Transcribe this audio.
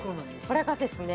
これがですね